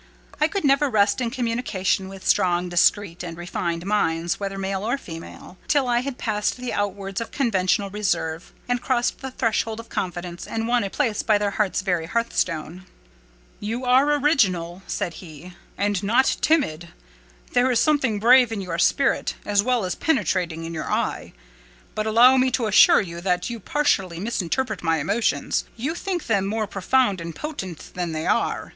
I could never rest in communication with strong, discreet, and refined minds, whether male or female, till I had passed the outworks of conventional reserve, and crossed the threshold of confidence, and won a place by their heart's very hearthstone. "You are original," said he, "and not timid. There is something brave in your spirit, as well as penetrating in your eye; but allow me to assure you that you partially misinterpret my emotions. You think them more profound and potent than they are.